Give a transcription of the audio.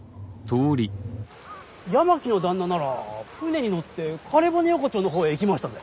八巻の旦那なら舟に乗って枯骨横丁のほうへ行きましたぜ。